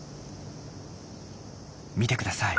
見てください。